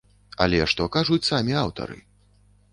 Але што кажуць самі аўтары?